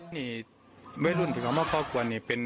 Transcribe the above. หวิ่บดี